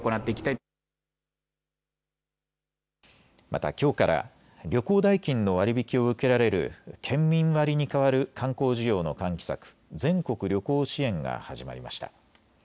また、きょうから旅行代金の割り引きを受けられる県民割にかわる観光需要の喚起策、全国旅行支援が始まりました。